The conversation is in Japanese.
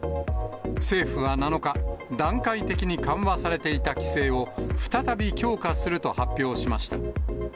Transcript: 政府は７日、段階的に緩和されていた規制を再び強化すると発表しました。